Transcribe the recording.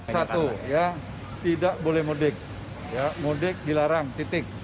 satu ya tidak boleh mudik mudik dilarang titik